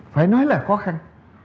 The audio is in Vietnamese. phải nói là khó khăn